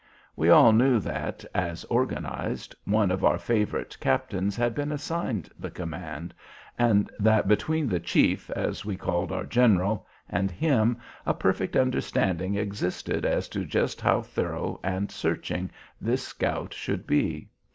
We all knew that, as organized, one of our favorite captains had been assigned the command, and that between "the Chief," as we called our general, and him a perfect understanding existed as to just how thorough and searching this scout should be.